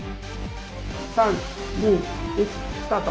・３・２・１スタート。